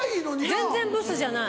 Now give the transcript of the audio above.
全然ブスじゃない。